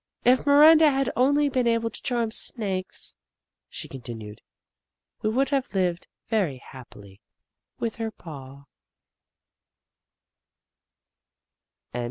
If Miranda had only been able to charm Snakes," she continued, " we could have lived very hap pily with her Pa."